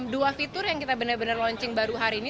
dua fitur yang kita benar benar launching baru hari ini